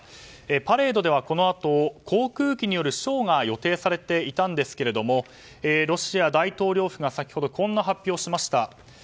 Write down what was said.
パレードではこのあと航空機によるショーが予定されていましたがロシア大統領府が先ほど、こんな発表をしました。